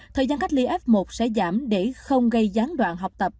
thời gian cách ly f một sẽ giảm để không gây gián đoạn học tập